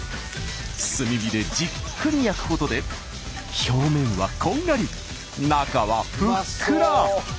炭火でじっくり焼くことで表面はこんがり中はふっくら。